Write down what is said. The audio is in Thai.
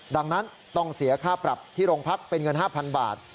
ดังนั้นต้องเสียค่าปรับที่โรงพักเป็นเงิน๕๐๐บาท